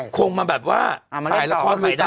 คงมาแบบว่าถ่ายละครใหม่ได้